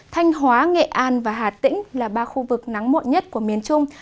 thanh hóa nghệ an và hà tĩnh là ba khu vực nắng muộn nhất của miền trung